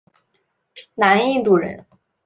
南印度人。